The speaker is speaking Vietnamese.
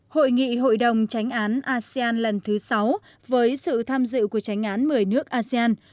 hội nghị hội đồng tránh án asean lần thứ sáu với sự tham dự của tránh án một mươi nước asean